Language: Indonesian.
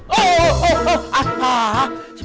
oh oh oh ah ah